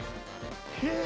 へえ。